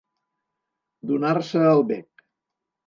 Donar-se el bec.